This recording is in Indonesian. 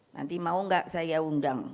nanti mau nggak saya undang